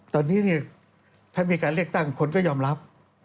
ตอนนี้ถ้ามีการเลือกตั้งคนก็ยอมรับ